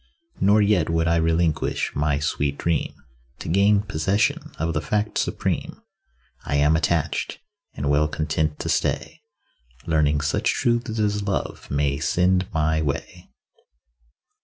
Nor yet would I relinquish my sweet dream To gain possession of the Fact supreme. I am attached, and well content to stay, Learning such truths as love may send my way.